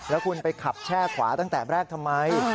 แล้วคุณไปขับแช่ขวาตั้งแต่แรกทำไม